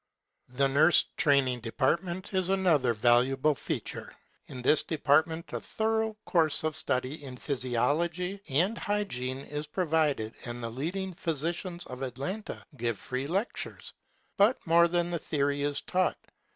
The nurse training department is another valuable feature. In this department a thor ough course of study in physiology and hygiene is provided and the leading physi cians of Atlanta give free lectures. But more than the theory is taught.